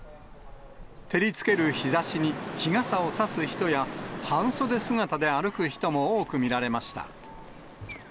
照りつける日ざしに、日傘を差す人や、半袖姿で歩く人も多く見られました。